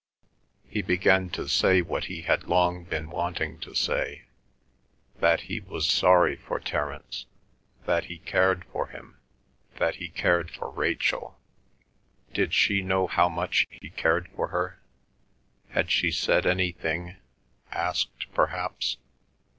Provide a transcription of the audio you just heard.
He began to say what he had long been wanting to say, that he was sorry for Terence, that he cared for him, that he cared for Rachel. Did she know how much he cared for her—had she said anything, asked perhaps?